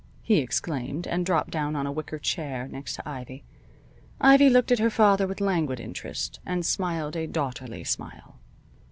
he exclaimed, and dropped down on a wicker chair next to Ivy. Ivy looked at her father with languid interest, and smiled a daughterly smile.